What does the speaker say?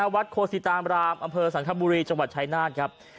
วัดโคสิตามรามอำเภอสังคบุรีจังหวัดชายนาฏครับ